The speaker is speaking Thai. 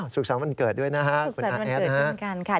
สุขสรรค์วันเกิดด้วยนะฮะคุณอาแอดนะฮะสุขสรรค์วันเกิดด้วยนะฮะคุณอาแอด